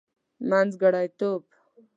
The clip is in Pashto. منځګړتوب.